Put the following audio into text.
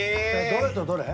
どれとどれ？